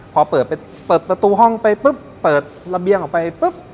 พอเปิดประตูห้องไปเปิดระเบียงไป